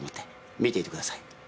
見ていてください。